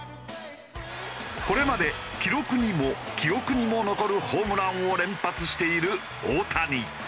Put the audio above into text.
これまで記録にも記憶にも残るホームランを連発している大谷。